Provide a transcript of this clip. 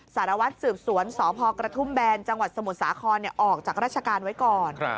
สารวัตรสืบสวนสกระทุ่มแบลจสมสาครออกจากราชการไว้ก่อน